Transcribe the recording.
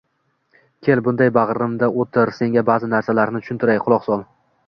Kel, bunday bag'rimda o'tir, senga ba'zi narsalarni tushuntiray, quloq sol.